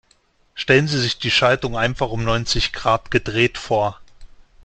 Stellen Sie sich die Schaltung einfach um neunzig Grad gedreht vor.